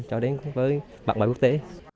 cho đến với bạn bè quốc tế